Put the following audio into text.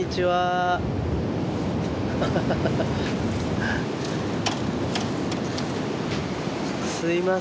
はい。